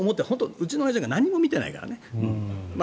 うちのおやじなんか何も見てないからね。